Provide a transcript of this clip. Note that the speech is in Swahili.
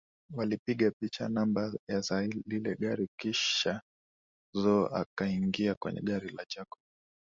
Walipiga picha namba za lile gari kisha Zo akaingia kwenye gari la Jacob